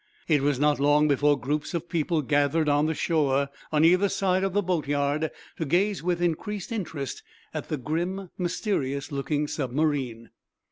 It was not long before groups of people gathered on the shore, on either side of the boat yard, to gaze with increased interest at the grim, mysterious looking submarine.